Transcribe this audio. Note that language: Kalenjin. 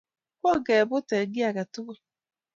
ko ngeboot eng kiiy age tugul